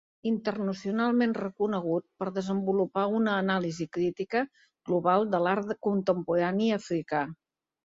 Internacionalment reconegut per desenvolupar una anàlisi crítica global de l’art contemporani africà.